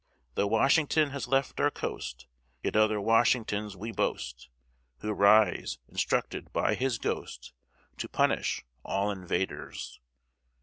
Though Washington has left our coast, Yet other Washingtons we boast, Who rise, instructed by his ghost, To punish all invaders.